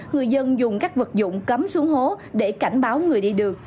người dân dùng các vật dụng cấm xuống hố để cảnh báo người đi đường